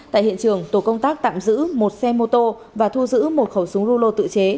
tại hiện trường tổ công tác tạm giữ một xe mô tô và thu giữ một khẩu súng rulo tự chế